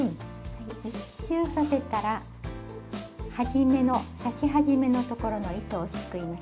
１周させたら刺し始めの所の糸をすくいます。